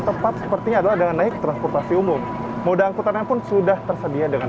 tepat sepertinya adalah dengan naik transportasi umum moda angkutannya pun sudah tersedia dengan